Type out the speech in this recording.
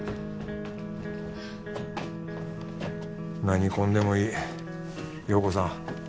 何婚でもいい陽子さん